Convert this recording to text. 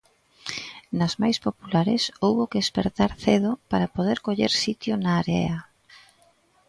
Nas máis populares houbo que espertar cedo para poder coller sitio na area.